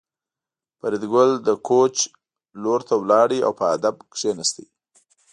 فریدګل د کوچ لور ته لاړ او په ادب کېناست